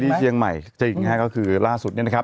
เชียงใหม่จริงฮะก็คือล่าสุดเนี่ยนะครับ